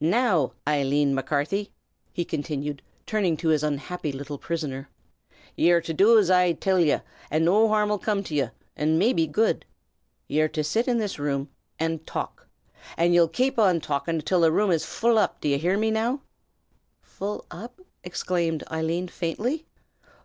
Now, Eileen Macarthy," he continued, turning to his unhappy little prisoner, "ye are to do as I till ye, an' no harrum'll coom to ye, an' maybe good. Ye are to sit in this room and talk; and ye'll kape an talkin' till the room is full up! d'ye hear me, now?" "Full up?" exclaimed Eileen, faintly.